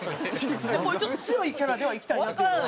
こういうちょっと強いキャラではいきたいなっていうのは。